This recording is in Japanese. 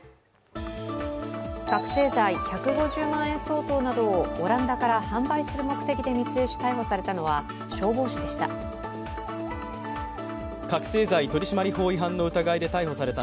覚醒剤１５０万円相当などをオランダから販売する目的で密輸し逮捕されたのは消防士でした。